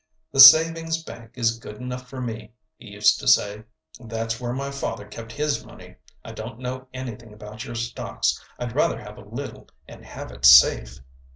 "The savings bank is good enough for me," he used to say; "that's where my father kept his money. I don't know anything about your stocks. I'd rather have a little and have it safe."